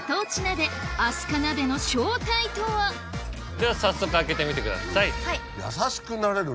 では早速開けてみてください。